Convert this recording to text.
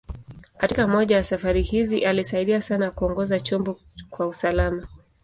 Katika moja ya safari hizi, alisaidia sana kuongoza chombo kwa usalama.